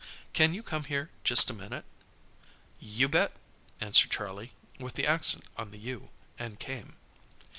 Can you come here just a minute?" "You bet!" answered Charlie, with the accent on the you; and came.